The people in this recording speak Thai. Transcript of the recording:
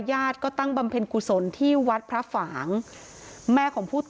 ญาติก็ตั้งบำเพ็ญกุศลที่วัดพระฝางแม่ของผู้ต่อ